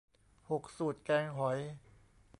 หก สูตรแกงหอย